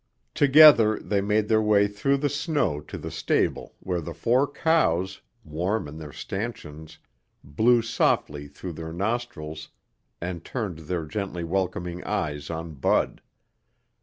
Together they made their way through the snow to the stable where the four cows, warm in their stanchions, blew softly through their nostrils and turned their gently welcoming eyes on Bud.